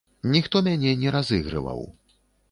Ніхто мяне не разыгрываў.